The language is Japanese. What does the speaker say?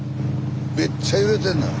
めっちゃ揺れてんのよ。